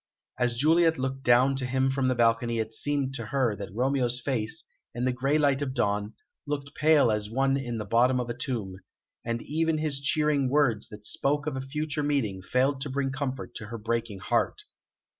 As Juliet looked down to him from the balcony it seemed to her that Romeo's face, in the gray light of dawn, looked pale as one in the bottom of a tomb, and even his cheering words that spoke of a future meeting failed to bring comfort to her breaking heart.